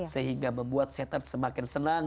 sehingga membuat setan semakin senang